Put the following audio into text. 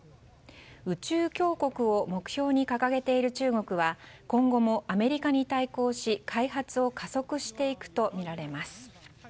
宇宙強国を目標に掲げている中国は今後もアメリカに対抗し開発を加速していくとみられます。